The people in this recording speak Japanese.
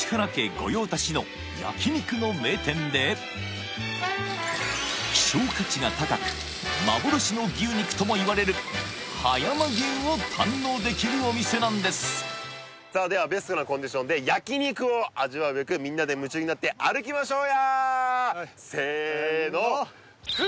御用達の焼肉の名店で希少価値が高く幻の牛肉ともいわれる葉山牛を堪能できるお店なんですさあではベストなコンディションで焼肉を味わうべくせの行きましょう！